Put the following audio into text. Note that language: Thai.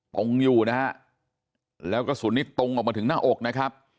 ตรงอยู่นะฮะแล้วกระสุนนี้ตรงออกมาถึงหน้าอกนะครับ